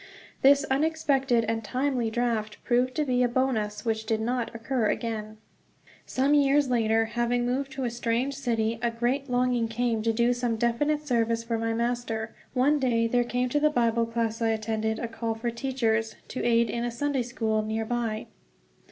This unexpected and timely draft proved to be a bonus, which did not occur again. Some years later, having moved to a strange city, a great longing came to do some definite service for my Master. One day there came to the Bible class I attended a call for teachers, to aid in a Sunday school near by.